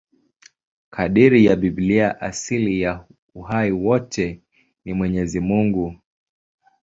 Kadiri ya Biblia, asili ya uhai wote ni Mwenyezi Mungu.